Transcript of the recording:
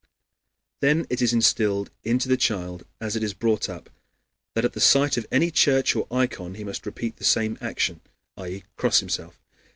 Then it is instilled into the child as it is brought up that at the sight of any church or ikon he must repeat the same action i. e., cross himself.